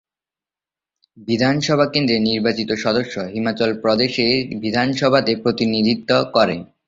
বিধানসভা কেন্দ্রের নির্বাচিত সদস্য হিমাচল প্রদেশের বিধানসভাতে প্রতিনিধিত্ব করে।